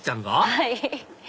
はい。